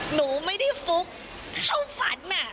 หนูไม่ได้ฟุกเข้าฝัน